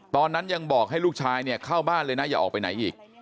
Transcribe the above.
ตอนนั้นยังบอกให้ลูกชายเนี่ยเข้าบ้านเลยนะอย่าออกไปไหนอีก